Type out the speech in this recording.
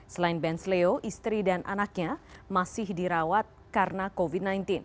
selain benz leo istri dan anaknya masih dirawat karena covid sembilan belas